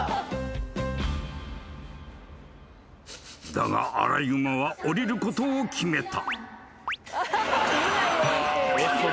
［だがアライグマは下りることを決めた］